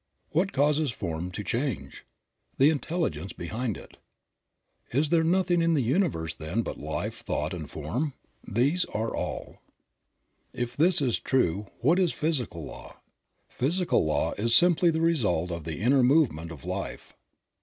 What causes form to change ? The intelligence behind it. Is there nothing in the universe, then, but Life, thought and form? These are all. Creative Mind. 73 If this is true, what is physical law? Physical law is simply the result of the inner movement of Life.